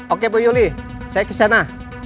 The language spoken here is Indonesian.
oke bu yuli saya kesana